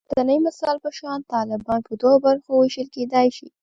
د پورتني مثال په شان طالبان په دوو برخو ویشل کېدای شي